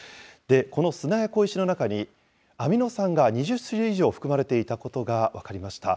この砂や小石の中に、アミノ酸が２０種類以上含まれていたことが分かりました。